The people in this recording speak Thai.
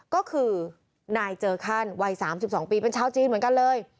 ก็คือนายเจอร์คันวัย๓๒ปีเป็นชาวจีนเหมือนกันเลย